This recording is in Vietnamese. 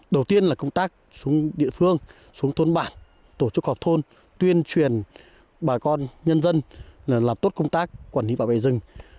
đầu tiên là công tác xuống địa phương xuống thôn bản tổ chức họp thôn tuyên truyền bà con nhân dân làm tốt công tác quản lý bảo vệ rừng